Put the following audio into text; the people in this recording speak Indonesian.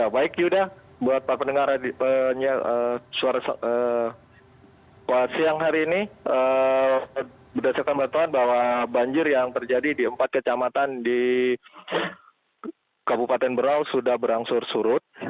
pak siang hari ini berdasarkan bantuan bahwa banjir yang terjadi di empat kecamatan di kabupaten berau sudah berangsur surut